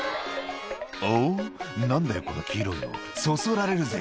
「おう何だよこの黄色いのそそられるぜ」